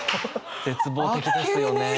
絶望的ですよね